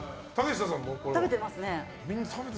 食べてますね。